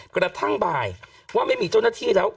กระทั่งบ่ายว่าไม่มีเจ้าหน้าที่แล้ว